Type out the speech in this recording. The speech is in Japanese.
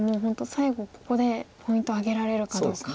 最後ここでポイントを挙げられるかどうか。